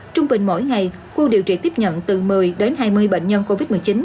trung bình mỗi ngày khu điều trị tiếp nhận từ một mươi đến hai mươi bệnh nhân covid một mươi chín